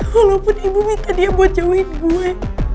walaupun ibu minta dia buat jauhin gue